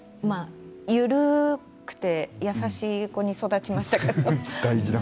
緩くて優しい子に育ちましたけど。